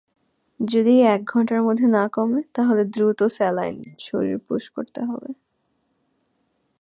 যদি এই এক ঘন্টার মধ্যে না কমে, তাহলে দ্রুত স্যালাইন শরীর পুস করতে হবে।